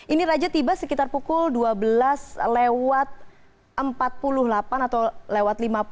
ini raja tiba sekitar pukul dua belas lewat empat puluh delapan atau lewat lima puluh